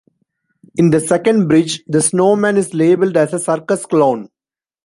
In the second bridge, the snowman is labeled as a "circus clown".